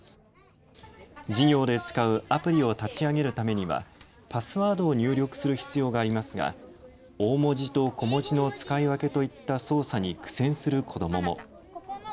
授業で使うアプリを立ち上げるためにはパスワードを入力する必要がありますが大文字と小文字の使い分けといった操作に苦戦する子どもも。